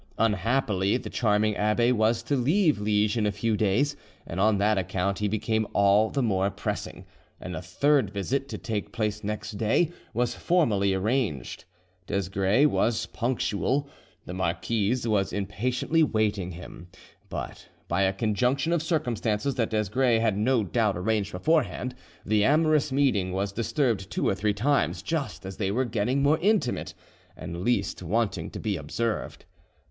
Unhappily the charming abbe was to leave Liege in a few days; and on that account he became all the more pressing, and a third visit, to take place next day, was formally arranged. Desgrais was punctual: the marquise was impatiently waiting him; but by a conjunction of circumstances that Desgrais had no doubt arranged beforehand, the amorous meeting was disturbed two or three times just as they were getting more intimate and least wanting to be observed.